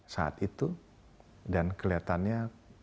saat itu dan kelihatannya